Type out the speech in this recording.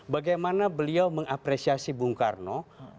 bagaimana beliau mengapresiasi bung karno